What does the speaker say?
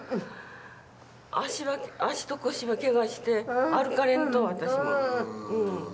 足と腰ばケガして歩かれんと私も。